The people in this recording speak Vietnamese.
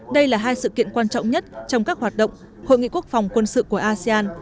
đây là hai sự kiện quan trọng nhất trong các hoạt động hội nghị quốc phòng quân sự của asean